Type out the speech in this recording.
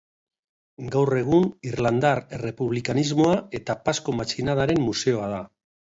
Gaur egun irlandar errepublikanismoa eta Pazko matxinadaren museoa da.